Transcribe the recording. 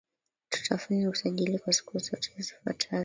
Tutafanya usajili kwa siku tatu zifuatazo